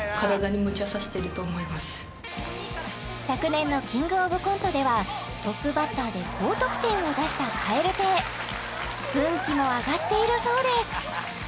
昨年の「キングオブコント」ではトップバッターで高得点を出した蛙亭運気も上がっているそうです